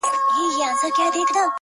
شمع ده چي مړه سي رڼا نه لري!.